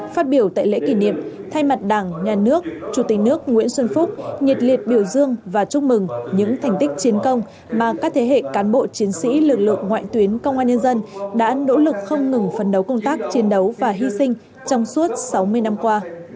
phát biểu tại lễ kỷ niệm thay mặt đảng nhà nước chủ tịch nước nguyễn xuân phúc nhiệt liệt biểu dương và chúc mừng những thành tích chiến công mà các thế hệ cán bộ chiến sĩ lực lượng ngoại tuyến công an nhân dân đã nỗ lực không ngừng phấn đấu công tác chiến đấu và hy sinh trong suốt sáu mươi năm qua